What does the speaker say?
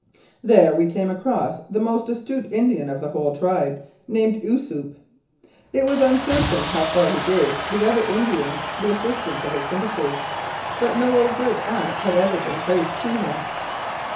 There we came across the most astute Indian of the whole tribe, named Osoup. It was uncertain how far he gave the other Indians the 142 The Crooked Lakes Affair assistance of his sympathy, but no overt act had ever been traced to him.